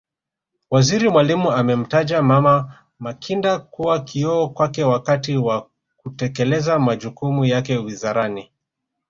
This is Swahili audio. Waziri Mwalimu amemtaja Mama Makinda kuwa kioo kwake wakati wa kutekeleza majukumu yake Wizarani